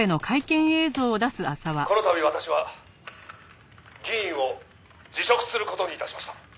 「この度私は議員を辞職する事に致しました」